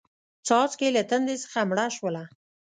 څاڅکې له تندې څخه مړه شوله